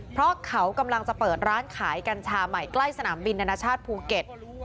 เพราะเขากำลังจะเปิดร้านขายกัญชาใหม่ใกล้สนามบินนานาชาติภูเก็ต